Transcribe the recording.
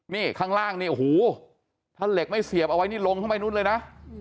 นี่ข้างล่างนี่โอ้โหถ้าเหล็กไม่เสียบเอาไว้นี่ลงเข้าไปนู้นเลยนะ